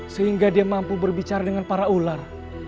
sehingga dia mampu berbicara dengan para ular